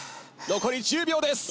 残り１０秒です。